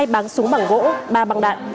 hai báng súng bằng gỗ ba băng đạn